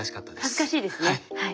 恥ずかしいですねはい。